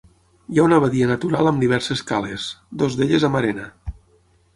Hi ha una badia natural amb diverses cales, dues d'elles amb arena.